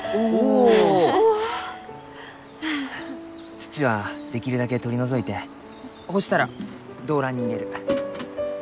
土はできるだけ取り除いてほうしたら胴乱に入れる。